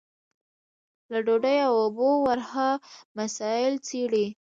له ډوډۍ او اوبو ورها مسايل څېړي.